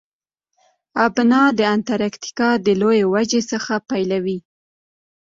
ابنا د انتارکتیکا د لویې وچې څخه بیلوي.